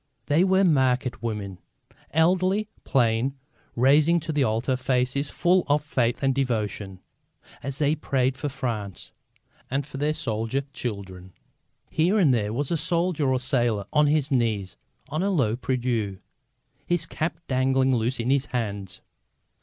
They were market women, elderly, plain, raising to the altar faces full of faith and devotion, as they prayed for France and for their soldier children. Here and there was a soldier or a sailor on his knees on a low prie dieu, his cap dangling loose in his hands.